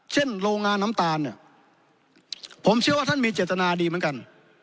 โรงงานน้ำตาลเนี่ยผมเชื่อว่าท่านมีเจตนาดีเหมือนกัน